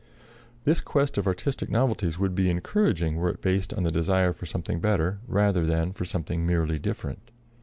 This quest of artistic novelties would be encouraging were it based on the desire for something better, rather than for something merely different.